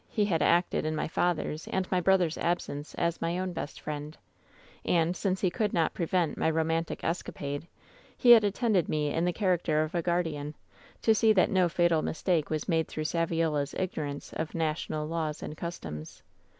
He had acted in my father's and my brother's absence as my own best friend ; and, since he could not prevent my roman tic escapade, he had attended me in the character of a guardian, to see that no fatal mistake was made through Saviola's ignorance of national laws and customs.